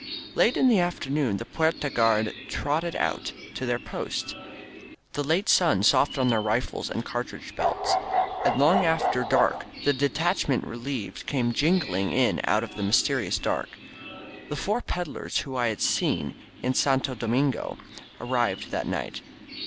Late in the afternoon the Fuerta guard trotted out to their post, the late sim soft on their rifles and car tridge belts ; and long after dark the detachment re lieved came jingling in out of the mysterious dark. The four peddlers whom I had seen in Santo Do mingo arrived that night.